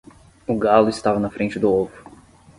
O galo estava na frente do ovo.